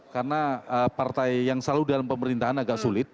karena partai yang selalu dalam pemerintahan agak sulit